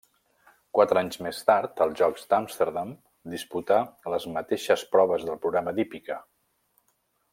Quatre anys més tard, als Jocs Amsterdam, disputà les mateixes proves del programa d'hípica.